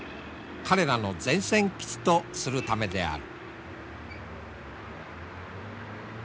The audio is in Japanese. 彼らの前線基地とするためである。